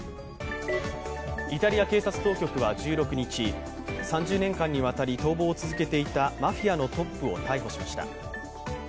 イタリア警察当局は１６日、３０年間にわたり逃亡を続けていたマフィアのトップを逮捕しました。